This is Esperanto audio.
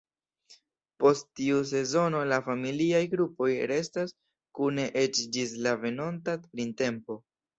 Post tiu sezono la familiaj grupoj restas kune eĉ ĝis la venonta printempo.